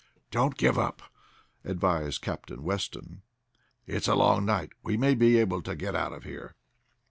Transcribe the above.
"Don't give up," advised Captain Weston. "It's a long night. We may be able to get out of here."